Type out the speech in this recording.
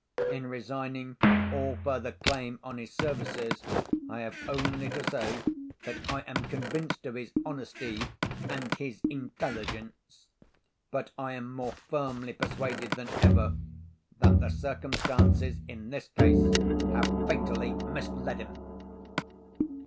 In resigning all further claim on his services, I have only to say that I am convinced of his honesty and his intelligence; but I am more firmly persuaded than ever, that the circumstances, in this case, have fatally misled him."